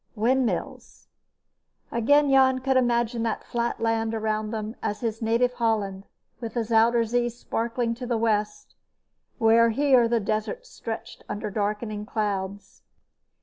Windmills. Again Jan could imagine the flat land around them as his native Holland, with the Zuider Zee sparkling to the west where here the desert stretched under darkling clouds.